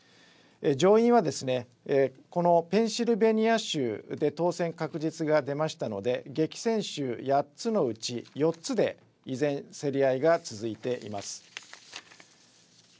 上院は、このペンシルベニア州で当選確実が出ましたので激戦州８つのうち４つで依然競り合いが続いています。